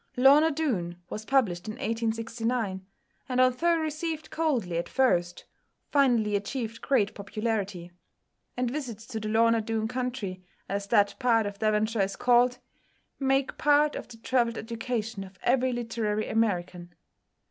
"Lorna Doone" was published in 1869, and although received coldly at first, finally achieved great popularity: and visits to the Lorna Doone country, as that part of Devonshire is called, make part of the travelled education of every literary American.